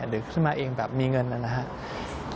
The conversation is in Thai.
หรือขึ้นมาเองแบบมีเงินนะครับ